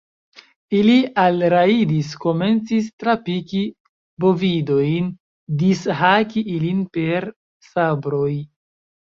ili alrajdis, komencis trapiki bovidojn, dishaki ilin per sabroj.